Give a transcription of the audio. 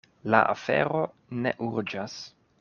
La afero ne urĝas.